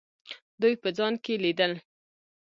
دوی په ځان کې لیدل.